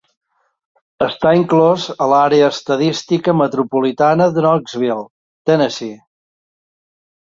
Està inclòs a l'àrea estadística metropolitana de Knoxville, Tennessee.